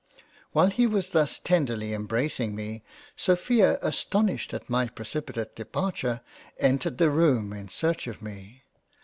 While he was thus tenderly embracing me, Sophia astonished at my precipitate Departure, entered the Room in search of me.